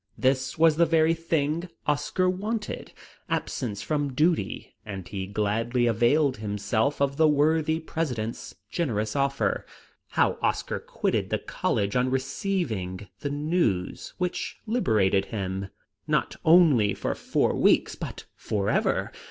This was the very thing Oscar wanted absence from duty and he gladly availed himself of the worthy president's generous offer. How Oscar quitted the college on receiving the news which liberated him, not only for four weeks, but for ever!